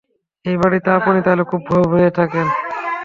এই বাড়িতে আপনি তাহলে খুব ভয়ে-ভয়ে থাকেন?